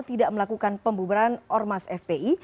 tidak melakukan pembubaran ormas fpi